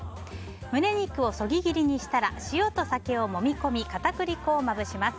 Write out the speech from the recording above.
胸肉をそぎ切りにしたら塩と酒をもみ込み片栗粉をまぶします。